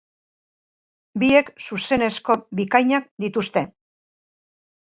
Biek zuzenezko bikainak dituzte!